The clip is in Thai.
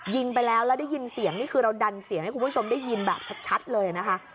ยิงไปแล้วแล้วได้ยินเสียงนี่คือเราดันเสียงให้คุณผู้ชมได้ยินแบบชัดเลยนะคะ